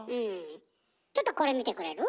ちょっとこれ見てくれる？